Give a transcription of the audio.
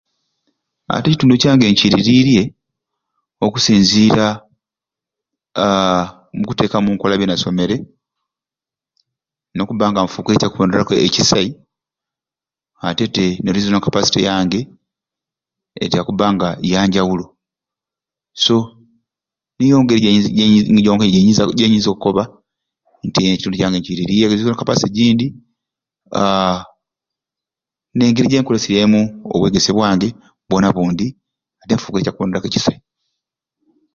Ati ekitundu kyange nkiririirye okusinziira aaa mukuteeka munkola binasomere n'okuba nga nfuukire ekyakuboneraku ekisai ate te ne rizoningi kapasite yange kuba nga yanjawulo so niyo ngeri ginyinza ginyi gyenyinza okkoba nti ekitundu kyange nkiririirye rizoningi kapasite gindi aaa n'engeri gyenkoleseryemu obwegesye bwange bwona bundi ate ninfuna ekyakuboneraku ekisai